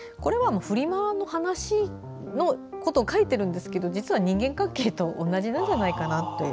フリマの話を書いてるんですが実は人間関係と同じなんじゃないかなって。